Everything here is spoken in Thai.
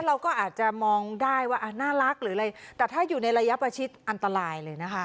เราก็อาจจะมองได้ว่าน่ารักหรืออะไรแต่ถ้าอยู่ในระยะประชิดอันตรายเลยนะคะ